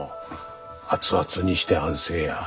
熱々にして安静や。